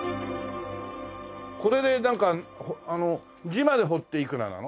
これでなんか字まで彫っていくらなの？